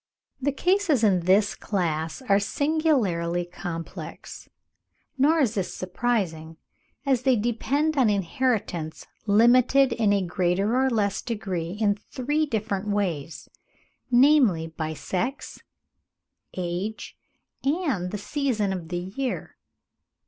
The cases in this class are singularly complex; nor is this surprising, as they depend on inheritance, limited in a greater or less degree in three different ways, namely, by sex, age, and the season of the year.